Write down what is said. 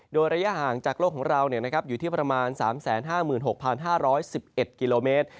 โดยระยะห่างจากโลกของเราอยู่ที่ประมาณ๓๕๖๕๑๑กิโลเมตร